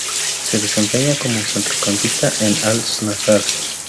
Se desempeña como centrocampista en el Al-Nassr.